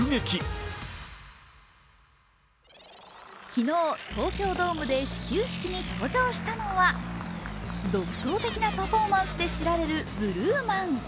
昨日、東京ドームで始球式に登場したのは独創的なパフォーマンスで知られるＢＬＵＥＭＡＮ。